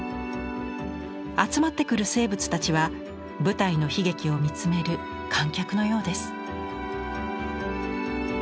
集まってくる生物たちは舞台の悲劇を見つめる観客のようです。